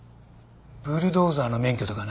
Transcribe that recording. ブルドーザーの免許とかな。